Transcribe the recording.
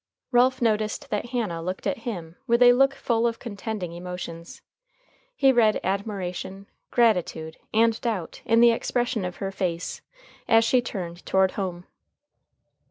Ralph noticed that Hannah looked at him with a look full of contending emotions. He read admiration, gratitude, and doubt in the expression of her face, as she turned toward home.